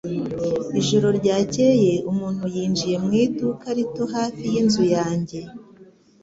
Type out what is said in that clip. Ijoro ryakeye umuntu yinjiye mu iduka rito hafi yinzu yanjye.